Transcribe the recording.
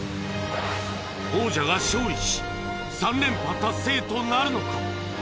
王者が勝利し３連覇達成となるのか？